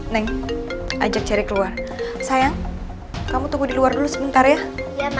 neng ajak ceri keluar sayang kamu tunggu di luar dulu sebentar ya ya ma oke sayang ya